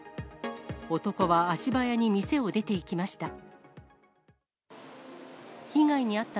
男は足早に店を出ていきました。